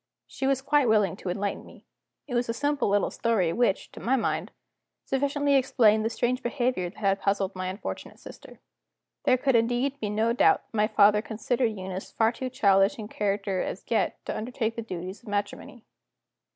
She was quite willing to enlighten me. It was a simple little story which, to my mind, sufficiently explained the strange behavior that had puzzled my unfortunate sister. There could indeed be no doubt that my father considered Eunice far too childish in character, as yet, to undertake the duties of matrimony.